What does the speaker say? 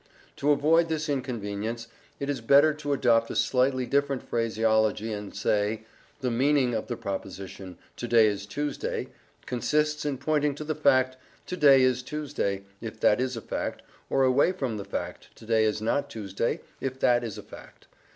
To avoid this inconvenience, it is better to adopt a slightly different phraseology, and say: The "meaning" of the proposition "to day is Tuesday" consists in pointing to the fact "to day is Tuesday" if that is a fact, or away from the fact "to day is not Tuesday" if that is a fact.